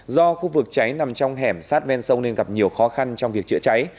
do khu vực cháy nằm trong hẻm sát ven sông nên gặp nhiều khó khăn trong việc chữa cháy